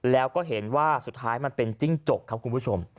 แล้วก็เห็นว่าสุดท้ายมันเป็นจิ้งจกครับคุณผู้ชม